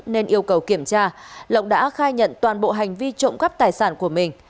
nên yêu cầu kiểm tra lộc đã khai nhận toàn bộ hành vi trộm cắp tài sản của mình